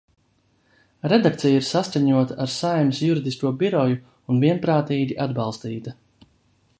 Redakcija ir saskaņota ar Saeimas Juridisko biroju un vienprātīgi atbalstīta.